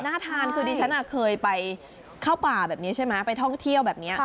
ทานคือดิฉันเคยไปเข้าป่าแบบนี้ใช่ไหมไปท่องเที่ยวแบบนี้